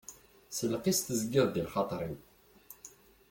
S lqis tezgiḍ-d i lxaṭer-iw.